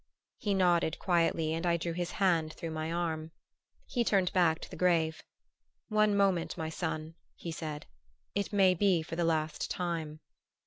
He nodded quietly and I drew his hand through my arm. He turned back to the grave. "One moment, my son," he said. "It may be for the last time."